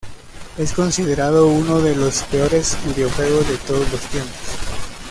Es considerado uno de los peores videojuegos de todos los tiempos.